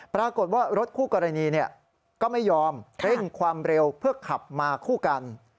ปรากฏว่ารถคู่กรณีก็ไม่ยอมเร่งความเร็วเพื่อขับมาคู่กัน